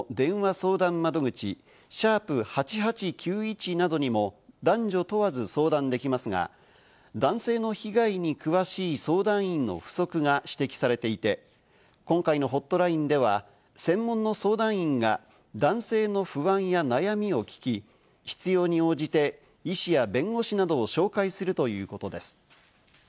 相談窓口＃８８９１などにも、男女問わず相談できますが、男性の被害に詳しい相談員の不足が指摘されていて、今回のホットラインでは、専門の相談員が男性の不安や悩みを聞き、必要に応じて医師や弁護士などを紹介するということです。